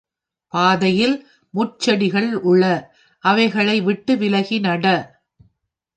பாதையில் முட்செடிகள் உள அவைகளை விட்டு விலகி நட.